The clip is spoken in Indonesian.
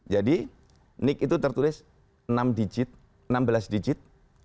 jadi nik itu tertulis enam digit enam belas digit